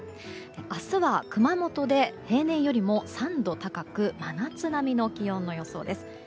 明日は熊本で平年よりも３度高く真夏並みの気温の予想です。